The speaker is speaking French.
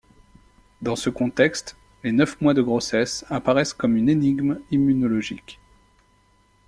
Dans ce contexte, les neuf mois de grossesse apparaissent comme une énigme immunologique.